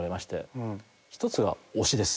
１つが「推し」です。